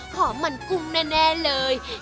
หอมมันกุ้งแน่เลย